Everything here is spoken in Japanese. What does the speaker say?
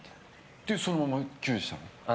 で、そのままチューしたの。